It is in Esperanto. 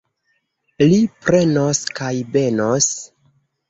Li prenos kaj benos.